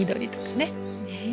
ねえ。